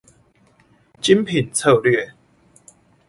精品策略